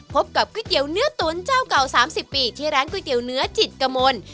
พบกับก๋วยเตี๋ยวเนื้อตุ๋นเจ้าเก่า๓๐ปีที่ร้านก๋วยเตี๋ยวเนื้อจิตกมล